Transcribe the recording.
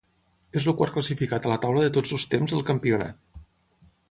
És el quart classificat a la taula de tots els temps del campionat.